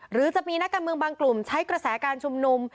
หรือจะมีนักการเมืองบางกลุ่มใช้กระแสการชุมนุม